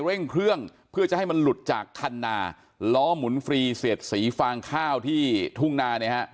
เร่งเครื่องเพื่อจะให้มันหลุดจากคันนาล้อหมุนฟรีเสียดสีฟางข้าวที่ทุ่งนาเนี่ยฮะ